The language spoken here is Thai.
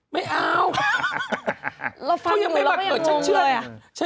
ไม่เอา